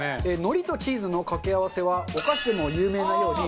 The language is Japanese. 海苔とチーズの掛け合わせはお菓子でも有名なように。